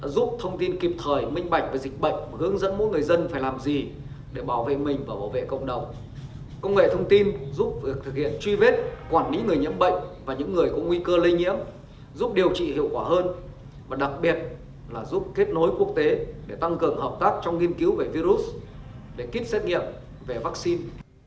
và đặc biệt là giúp kết nối quốc tế để tăng cường hợp tác trong nghiên cứu về virus để kết xét nghiệm về vaccine